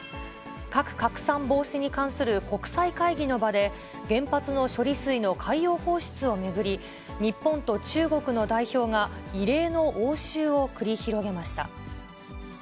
核拡散防止に関する国際会議の場で、原発の処理水の海洋放出を巡り、日本と中国の代表が異例の応酬を繰り広げました。